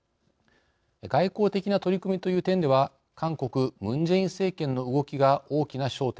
外交的な取り組みという点では韓国ムン・ジェイン政権の動きが大きな焦点です。